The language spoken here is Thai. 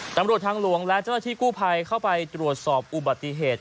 ตำรวจทางหลวงและเจ้าหน้าที่กู้ภัยเข้าไปตรวจสอบอุบัติเหตุ